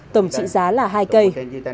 tổng trị giá là hai cây